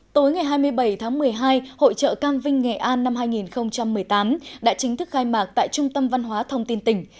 tối ngày hai mươi bảy tháng một mươi hai hội trợ cam vinh nghệ an năm hai nghìn một mươi tám đã chính thức khai mạc tại trung tâm văn hóa thông tin tỉnh